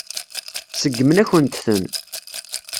Seggmen-akent-ten.